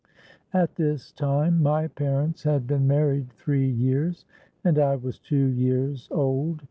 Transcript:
At this time my parents had been married three years, and I was two years old.